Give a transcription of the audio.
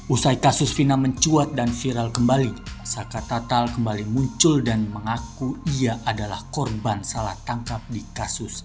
usai kasus fina mencuat dan viral kembali saka tatal kembali muncul dan mengaku ia adalah korban salah tangkap di kasus